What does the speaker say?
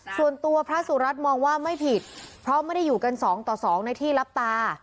ส่วนตัวพระสุรัตน์มองว่าไม่ผิดเพราะไม่ได้อยู่กันสองต่อสองในที่รับตา